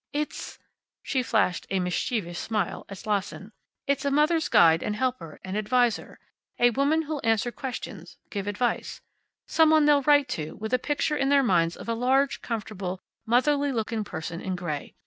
"It's" she flashed a mischievous smile at Slosson "it's a mother's guide and helper, and adviser. A woman who'll answer questions, give advice. Some one they'll write to, with a picture in their minds of a large, comfortable, motherly looking person in gray.